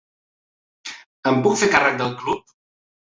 Em puc fer càrrec del club?